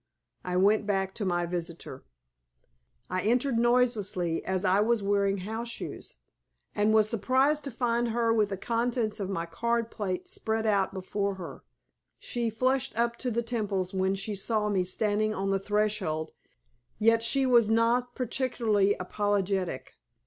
I went back to my visitor. I entered noiselessly, as I was wearing house shoes, and was surprised to find her with the contents of my card plate spread out before her. She flushed up to the temples when she saw me standing on the threshold, yet she was not particularly apologetic.